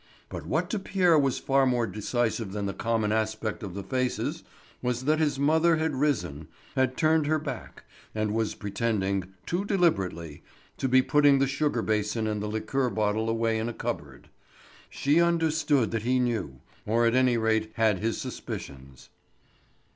But what to Pierre was far more decisive than the common aspect of the faces, was that his mother had risen, had turned her back, and was pretending, too deliberately, to be putting the sugar basin and the liqueur bottle away in a cupboard. She understood that he knew, or at any rate had his suspicions.